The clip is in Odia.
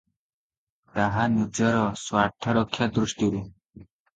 ତାହା ନିଜର ସ୍ୱାର୍ଥ ରକ୍ଷା ଦୃଷ୍ଟିରୁ ।